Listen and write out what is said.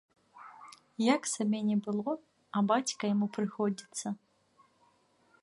Як сабе не было, а бацька яму прыходзіцца.